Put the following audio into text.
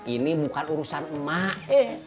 ini bukan urusan emak